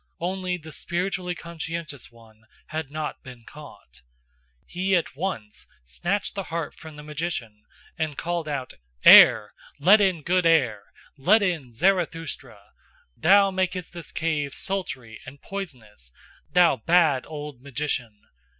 Only the spiritually conscientious one had not been caught: he at once snatched the harp from the magician and called out: "Air! Let in good air! Let in Zarathustra! Thou makest this cave sultry and poisonous, thou bad old magician!